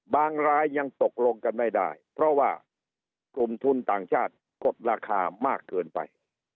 บางรายยังตกลงกันไม่ได้เพราะว่ากลุ่มทุนต่างชาติกดราคามากเกินไป